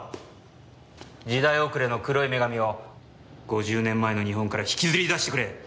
時代遅れの黒い女神を５０年前の日本から引きずり出してくれ！